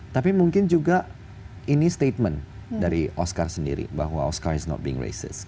tapi mungkin juga ini statement dari oscar sendiri bahwa oscar is not being racist